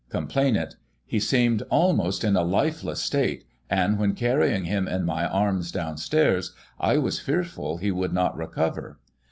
Complainant : He seemed almost in a lifeless state, and when carrying him in my arms downstairs, I was fearful he would not recover.